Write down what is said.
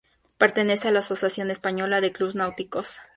Pertenece a la Asociación Española de Clubes Náuticos.